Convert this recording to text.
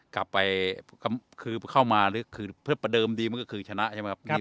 กลับไปคือเข้ามาหรือคือเพื่อประเดิมดีมันก็คือชนะใช่ไหมครับ